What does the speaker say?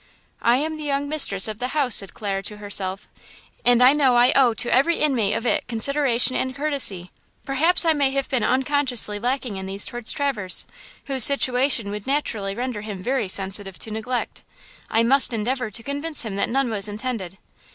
"I am the young mistress of the house," said Clara to herself, "an I know I owe to every inmate of it consideration and courtesy; perhaps I may have been unconsciously lacking in these toward Traverse, whose situation would naturally render him very sensitive to neglect. I must endeavor to convince him that none was intended."